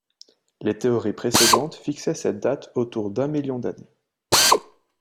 Les théories précédentes fixaient cette date autour d'un million d'années.